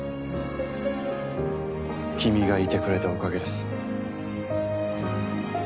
君がいてくれたおかげです。